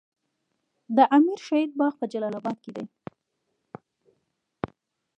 د امیر شهید باغ په جلال اباد کې دی